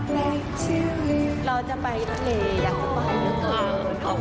เราจะไปทะเลอย่างน้อยก่อน